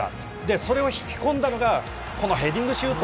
それを引込んだのがこのヘディングシュート。